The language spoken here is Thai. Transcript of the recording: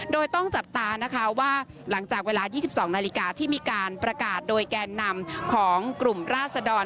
โดยต้องจับตานะคะว่าหลังจากเวลา๒๒นาฬิกาที่มีการประกาศโดยแกนนำของกลุ่มราศดร